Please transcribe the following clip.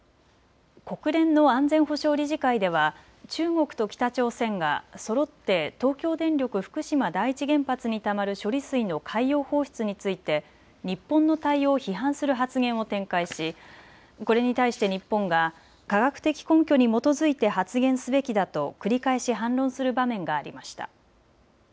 国連の安全保障理事会では中国と北朝鮮がそろって東京電力福島第一原発にたまる処理水の海洋放出について日本の対応を批判する発言を展開し、これに対して日本が科学的根拠に基づいて発言すべきだと繰り返し反論する場面がありました。